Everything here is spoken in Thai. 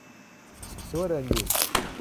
รู้ว่าเดินอยู่